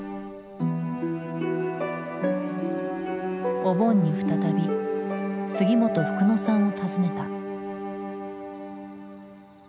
お盆に再び杉本フクノさんを訪ねた。